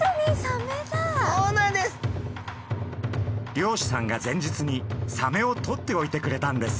漁師さんが前日にサメをとっておいてくれたんです。